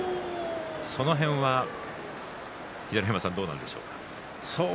その辺は秀ノ山さんどうなんでしょうか。